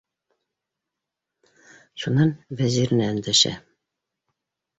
Шунан вәзиренә өндәшә: